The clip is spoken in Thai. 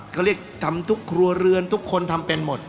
เขาเรียกทำทุกครัวเรือนทุกคนทำเป็นหมด